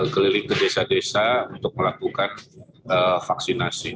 keliling ke desa desa untuk melakukan vaksinasi